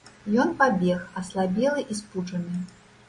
Ён пабег, аслабелы і спуджаны.